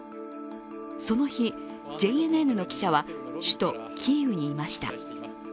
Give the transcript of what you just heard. その日、ＪＮＮの記者は首都キーウにいました。